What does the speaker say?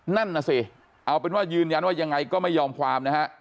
นั่นน่ะสิเอาเป็นว่ายืนยันว่ายังไงก็ไม่ยอมความนะฮะ